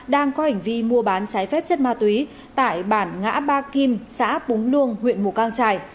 đang có hành vi mua bán trái phép chất ma túy tại bản ngã ba kim xã búng luông huyện mù căng trải